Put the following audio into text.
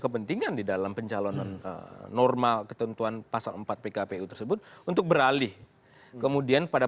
kepentingan di dalam pencalonan normal ketentuan pasal empat pkpu tersebut untuk beralih kemudian pada